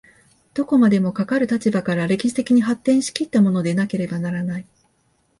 どこまでもかかる立場から歴史的に発展し来ったものでなければならない。